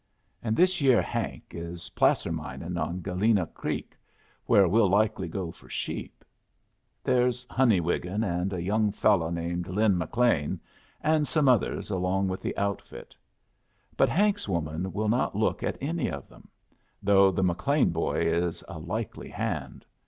And this year Hank is placer mining on Galena Creek, where we'll likely go for sheep. There's Honey Wiggin and a young fello' named Lin McLean, and some others along with the outfit. But Hank's woman will not look at any of them, though the McLean boy is a likely hand.